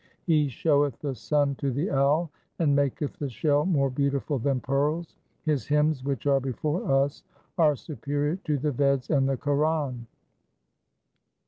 He showeth the sun to the owl, and maketh the shell more beautiful than pearls. His hymns which are before us are superior to the Veds and the Quran.